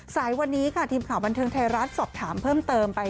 สายวันนี้ค่ะทีมข่าวบันเทิงไทยรัฐสอบถามเพิ่มเติมไป